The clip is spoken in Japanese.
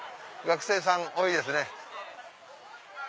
学生さん多いですね。